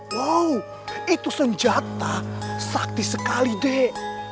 wow itu senjata sakti sekali dek